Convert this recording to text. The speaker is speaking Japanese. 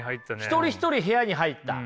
一人一人部屋に入った。